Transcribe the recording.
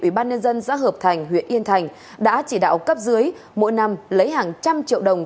ủy ban nhân dân xã hợp thành huyện yên thành đã chỉ đạo cấp dưới mỗi năm lấy hàng trăm triệu đồng